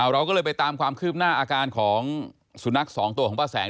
เราก็เลยไปตามความคืบหน้าอาการของสุนัขสองตัวของป้าแสง